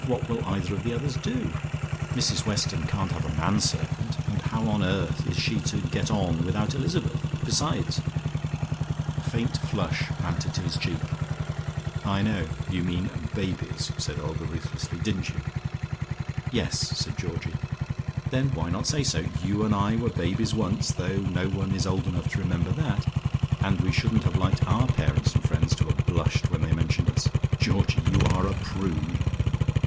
What will either of the others do? Mrs Weston can't have a manservant, and how on earth is she to get on without Elizabeth? Besides " A faint flush mounted to his cheek. "I know. You mean babies," said Olga ruthlessly. "Didn't you?" "Yes," said Georgie. "Then why not say so? You and I were babies once, though no one is old enough to remember that, and we shouldn't have liked our parents and friends to have blushed when they mentioned us. Georgie, you are a prude."